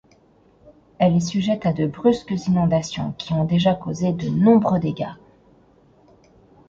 Elle est sujette à de brusques inondations qui ont déjà causé de nombreux dégâts.